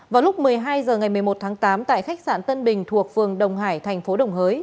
vào lúc một mươi hai h ngày một mươi một tháng tám tại khách sạn tân bình thuộc phường đồng hải thành phố đồng hới